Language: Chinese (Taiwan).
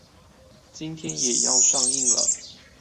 今天也要上映了